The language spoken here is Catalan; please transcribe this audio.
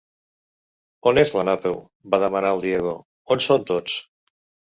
On és la Napeu? —va demanar el Diego— On són tots?